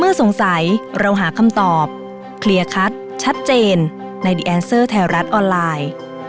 โดยท่าว่าจากราวแรกของสหรัฐหรือแรกแรกของการกระทรวงการคลังสหรัฐที่สุดท้าย